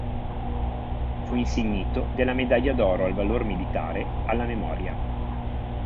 Fu insignito della medaglia d'oro al valor militare alla memoria.